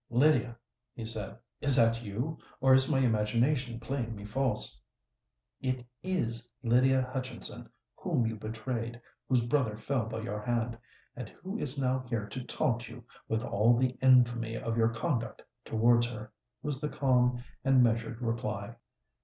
"Lydia!" he said: "is that you? or is my imagination playing me false?" "It is Lydia Hutchinson, whom you betrayed—whose brother fell by your hand—and who is now here to taunt you with all the infamy of your conduct towards her," was the calm and measured reply.